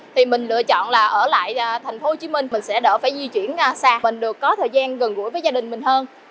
thì mình lựa chọn là ở lại thành phố hồ chí minh mình sẽ đỡ phải di chuyển xa mình được có thời gian gần gũi với gia đình mình hơn